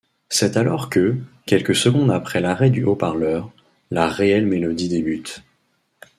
C’est alors que, quelques secondes après l’arrêt du haut-parleur, la réelle mélodie débute.